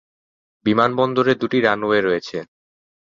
বিমানবন্দরে দুটি রানওয়ে রয়েছে।